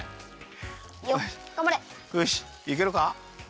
よしいけるか？